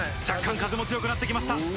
若干風も強くなって来ました。